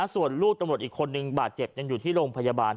ส่วนลูกตำรวจอีกคนนึงบาดเจ็บยังอยู่ที่โรงพยาบาล